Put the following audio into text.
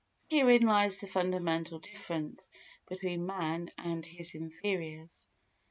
Herein lies the fundamental difference between man and his inferiors.